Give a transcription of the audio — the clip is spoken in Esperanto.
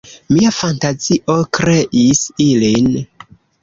Mia fantazio kreis ilin.